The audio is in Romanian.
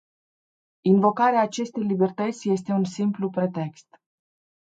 Invocarea acestei libertăți este un simplu pretext.